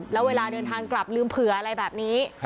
แล้วเวลาเดินทางกลับลืมเผื่ออะไรแบบนี้